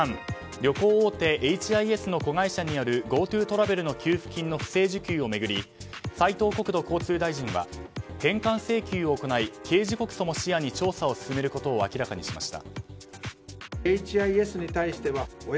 旅行大手ＨＩＳの子会社によるＧｏＴｏトラベルの給付金の不正受給を巡り斉藤国土交通大臣は返還請求を行い刑事告訴も視野に調査を進めることを明らかにしました。